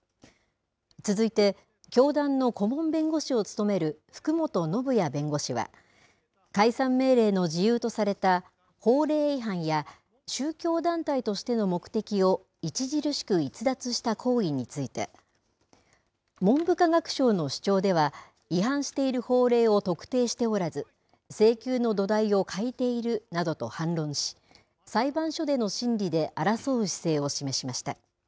続いて、教団の顧問弁護士を務める福本修也弁護士は、解散命令の事由とされた、法令違反や宗教団体としての目的を著しく逸脱した行為について、文部科学省の主張では、違反している法令を特定しておらず、請求の土台を欠いているなどと反論し、裁判所での審理で争う姿勢を示しました。